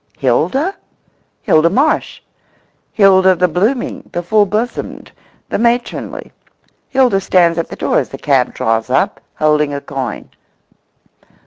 Hilda? Hilda Marsh—Hilda the blooming, the full bosomed, the matronly. Hilda stands at the door as the cab draws up, holding a coin.